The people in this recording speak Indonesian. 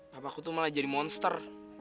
papa ku tuh malah jadi monster